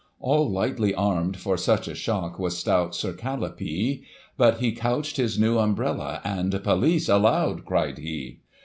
All lightly armed for such a shock was stout Sir Calipee, But he couched his new umbrella, and " Police " aloud cried he